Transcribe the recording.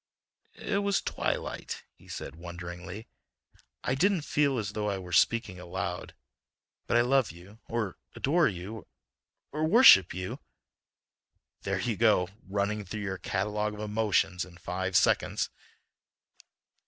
"It was the twilight," he said wonderingly. "I didn't feel as though I were speaking aloud. But I love you—or adore you—or worship you—" "There you go—running through your catalogue of emotions in five seconds."